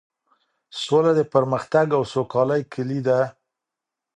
سوله د پرمختګ او سوکالۍ کيلي ده.